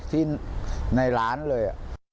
ที่ในร้านเลย